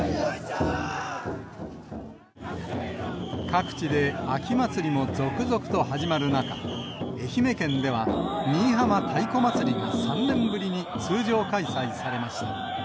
各地で秋祭りも続々と始まる中、愛媛県では、新居浜太鼓祭りが３年ぶりに通常開催されました。